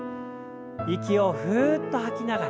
息をふっと吐きながら。